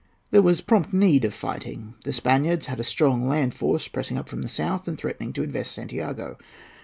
There was prompt need of fighting. The Spaniards had a strong land force pressing up from the south and threatening to invest Santiago.